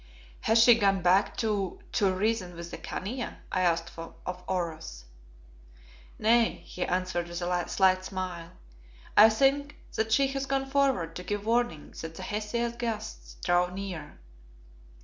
"Has she gone back to to reason with the Khania?" I asked of Oros. "Nay!" he answered, with a slight smile, "I think that she has gone forward to give warning that the Hesea's guests draw near."